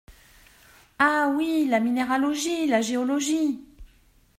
Ah ! oui, la minéralogie, la géologie…